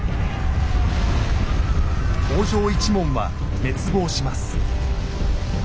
北条一門は滅亡します。